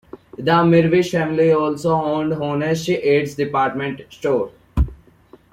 The Mirvish family also owned Honest Ed's department store.